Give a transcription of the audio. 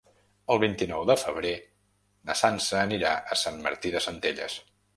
El vint-i-nou de febrer na Sança anirà a Sant Martí de Centelles.